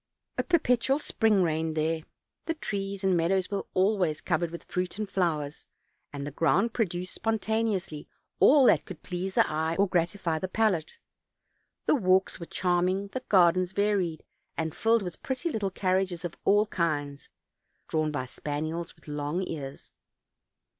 A perpetual spring reigned there; the trees and meadows were always cov ered with fruit and flowers, and the ground produced spontaneously all that could please the eye or gratify the palate. The walks were charming, the gardens varied and filled with pretty little carriages of all kinds, drawn by spaniels with long ears.